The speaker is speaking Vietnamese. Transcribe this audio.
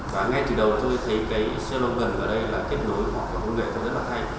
và ngay từ đầu tôi thấy cái slovan ở đây là kết nối hoặc là công nghệ tôi rất là hay